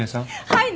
はい。